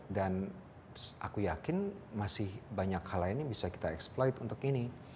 dan aku yakin masih banyak hal lain yang bisa kita eksploit untuk ini